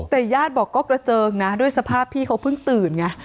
แต่ญาติบอกก็กระเจิงนะด้วยสภาพพี่เขาเพิ่งตื่นไง